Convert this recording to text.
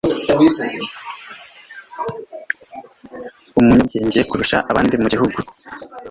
Umunyabwenge kurusha abandi mu gihugu